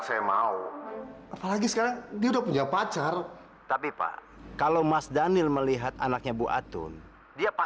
sampai jumpa di video selanjutnya